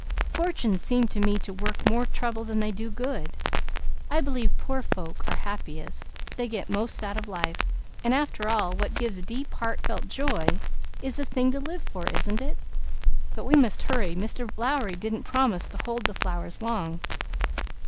Fortunes seem to me to work more trouble than they do good. I believe poor folks are happiest, they get most out of life, and after all what gives deep, heart felt joy, is the thing to live for, isn't it? But we must hurry. Mr. Lowry didn't promise to hold the flowers long."